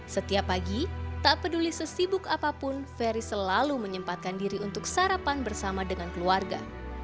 setiap pagi tak peduli sesibuk apapun ferry selalu menyempatkan diri untuk sarapan bersama dengan keluarga